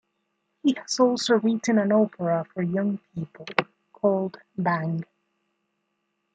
He has also written an opera for young people called Bang!